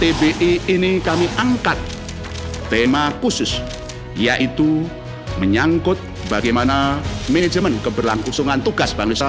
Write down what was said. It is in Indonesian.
di lti ini kami angkat tema khusus yaitu menyangkut bagaimana manajemen keberlangkusan tugas bank indonesia